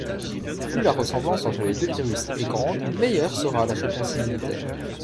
Plus la ressemblance entre les deux virus est grande, meilleure sera la réponse immunitaire.